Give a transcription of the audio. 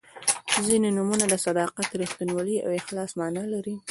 •ځینې نومونه د صداقت، رښتینولۍ او اخلاص معنا لري.